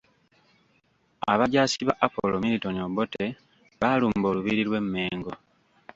Abajaasi ba Apollo Milton Obote baalumba Olubiri lw’e Mmengo.